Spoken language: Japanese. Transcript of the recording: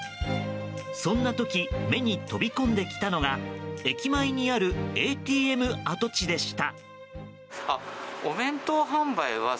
そんな時目に飛び込んできたのが駅前にあるＡＴＭ跡地でした。